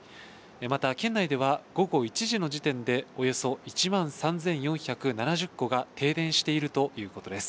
また県内では午後１時の時点でおよそ１万３４７０戸が停電しているということです。